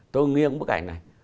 tôi nghiêng bức ảnh này